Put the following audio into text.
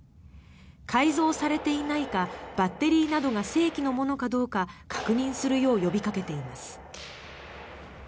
改造されていないかバッテリーなどが正規のものかどうか確認するよう呼びかけています。